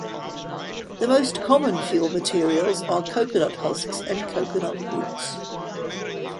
The most common fuel materials are coconut husks and coconut woods.